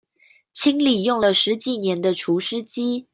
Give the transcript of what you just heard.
清理用了十幾年的除濕機